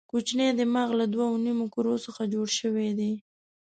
کوچنی دماغ له دوو نیمو کرو څخه جوړ شوی دی.